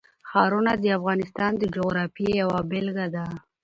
ښارونه د افغانستان د جغرافیې یوه بېلګه ده.